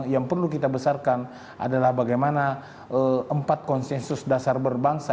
yang perlu kita besarkan adalah bagaimana empat konsensus dasar berbangsa